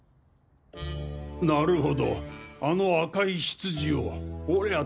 なるほどあの赤いヒツジをおりゃ